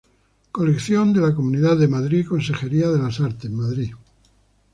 Colección de la Comunidad de Madrid, Consejería de las Artes, Madrid.